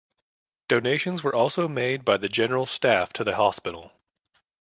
Donations were also made by the General Staff to the hospital.